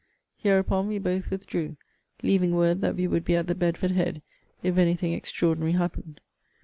Hereupon we both withdrew, leaving word that we would be at the Bedford Head, if any thing extraordinary happened.